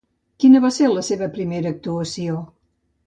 Quina va ser la seva primera actuació?